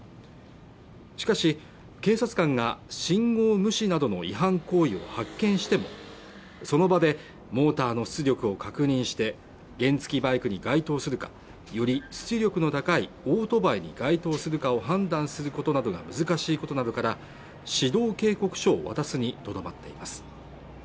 しかし警察官が信号無視などの違反行為を発見してもその場でモーターの出力を確認して原付きバイクに該当するかより出力の高いオートバイに該当するかを判断することなどが難しいことなどから指導警告書を渡すにとどまっています